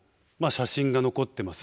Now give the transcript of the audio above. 写真が残ってます。